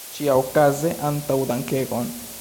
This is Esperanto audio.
Ĉiaokaze, antaŭdankegon!